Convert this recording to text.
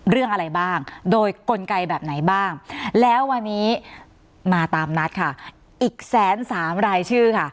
เรื่องอะไรบ้างโดยกลไกแบบไหนบ้างแล้ววันนี้มาตามนัดค่ะอีกแสนสามรายชื่อค่ะ